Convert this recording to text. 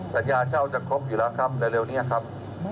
สัญญาเช่าจะครบอยู่แล้วครับเร็วนี้ครับ